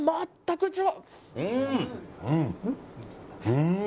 うん！